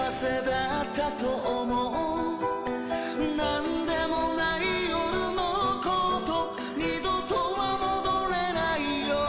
「何でもない夜の事二度とは戻れない夜」